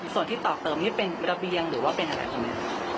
ส่วนที่ต่อเติมนี่เป็นระเบียงหรือว่าเป็นอะไรคะแม่